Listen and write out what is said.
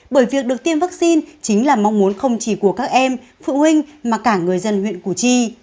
bởi việc được tiêm vaccine chính là mong muốn không chỉ của các em phụ huynh mà cả người dân huyện củ chi